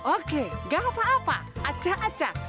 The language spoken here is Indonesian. oke gak apa apa acah acak